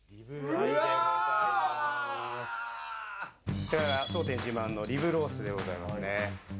こちらが当店自慢のリブロースでございますね。